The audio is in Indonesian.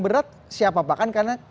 berat siapa pak karena